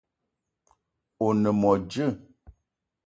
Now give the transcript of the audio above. O ne mo djeue?